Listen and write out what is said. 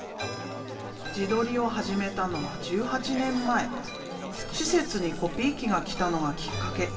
自撮りを始めたのは１８年前施設にコピー機が来たのがきっかけ。